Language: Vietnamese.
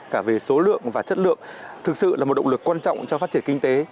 cả về số lượng và chất lượng thực sự là một động lực quan trọng cho phát triển kinh tế